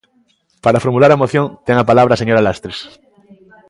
Para formular a moción ten a palabra a señora Lastres.